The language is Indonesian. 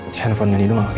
dia nelfonnya di rumah lagi